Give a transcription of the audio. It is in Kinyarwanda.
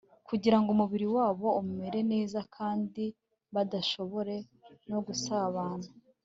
kugira ngo umubiri wabo umere neza kandi bashobore no gusabana